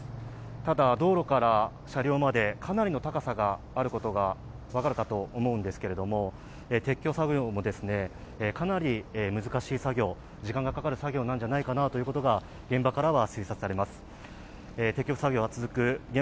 ただ、道路から車両までかなりの高さがあることが分かると思うんですけれども撤去作業もかなり難しい作業、時間がかかる作業なんじゃないかなということが現場からは推察されます。